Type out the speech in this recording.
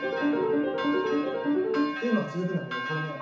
っていうのが続くんだけどこれね